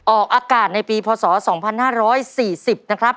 ออกอากาศในปีพศ๒๕๔๐นะครับ